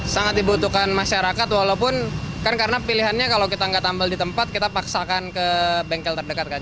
sangat dibutuhkan masyarakat walaupun kan karena pilihannya kalau kita nggak tambal di tempat kita paksakan ke bengkel terdekat kan